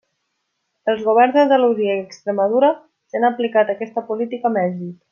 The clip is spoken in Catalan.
Els governs d'Andalusia i Extremadura ja han aplicat aquesta política amb èxit.